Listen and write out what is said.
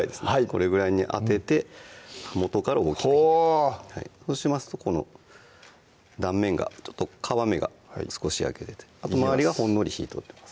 これぐらいに当てて刃元から大きくほうそうしますとこの断面が皮目が少し焼けててあと周りがほんのり火通ってます